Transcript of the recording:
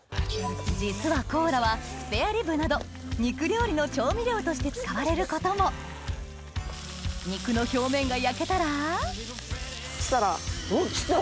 実はコーラはスペアリブなど肉料理の調味料として使われることも肉の表面が焼けたらそしたらコーラを。